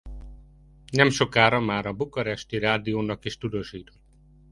Nemsokára már a Bukaresti Rádiónak is tudósított.